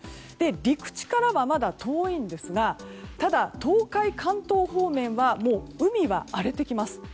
陸地からは、まだ遠いんですがただ、東海・関東方面は海は荒れてきます。